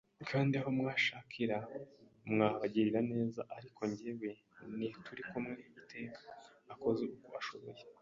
kandi aho mwashakira, mwabagirira neza ariko jyewe nti turi kumwe iteka, akoze uko ashoboye